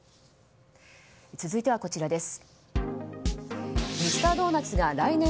続いてはこちらです。